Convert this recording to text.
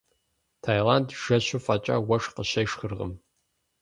Таиланд жэщу фӏэкӏа уэшх къыщешхыркъым.